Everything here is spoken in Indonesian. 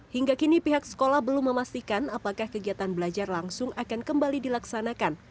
hingga kini pihak sekolah belum memastikan apakah kegiatan belajar langsung akan kembali dilaksanakan